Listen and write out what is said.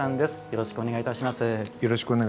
よろしくお願いします。